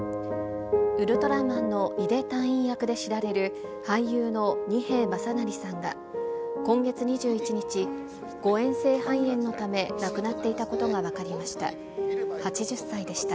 ウルトラマンのイデ隊員役で知られる、俳優の二瓶正也さんが、今月２１日、誤嚥性肺炎のため、亡くなっていたことが分かりました。